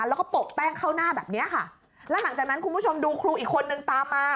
แล้วก็ปกแป้งเข้าหน้าแบบเนี้ยค่ะแล้วหลังจากนั้นคุณผู้ชมดูครูอีกคนนึงตามมา